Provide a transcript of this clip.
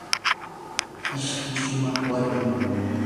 ishpi shumaq warmim.